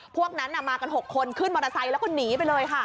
พวกนั้นมากัน๖คนขึ้นมอเตอร์ไซค์แล้วก็หนีไปเลยค่ะ